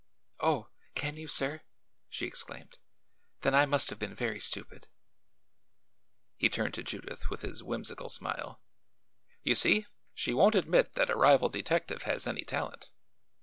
"Oh; can you, sir?" she exclaimed. "Then I must have been very stupid." He turned to Judith with his whimsical smile. "You see, she won't admit that a rival detective has any talent."